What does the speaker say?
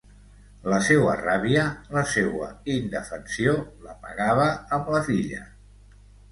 La seua ràbia, la seua indefensió, l'apagava amb la filla.